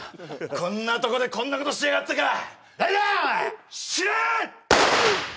こんなとこでこんなことしてやがったか誰だお前・死ね！